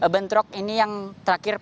bentrok ini yang terakhir